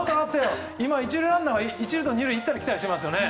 １塁ランナーが１塁と２塁を行ったり来たりしていますよね。